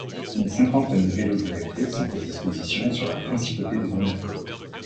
Une cinquantaine de vélos électriques sont à disposition sur la Principauté de Monaco.